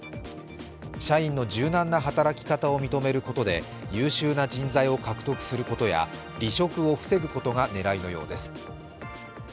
社員の柔軟な働き方を認めることで優秀な人材を獲得することや離職を防ぐことが狙いのようです。